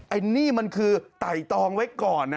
อันนี้มันคือไต่ตองไว้ก่อนนะ